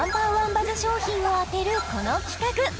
バズ商品を当てるこの企画